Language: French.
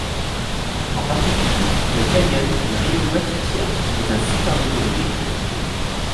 En particulier, le canyon du Río Guatiquía est un site ornithologique réputé.